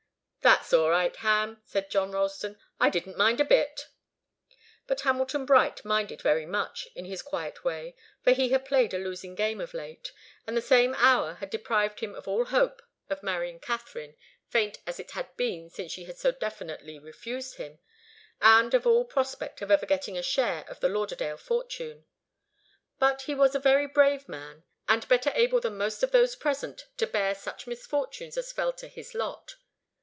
"That's all right, Ham," said John Ralston. "I didn't mind a bit." But Hamilton Bright minded very much, in his quiet way, for he had played a losing game of late, and the same hour had deprived him of all hope of marrying Katharine, faint as it had been since she had so definitely refused him, and of all prospect of ever getting a share of the Lauderdale fortune. But he was a very brave man, and better able than most of those present to bear such misfortunes as fell to his lot.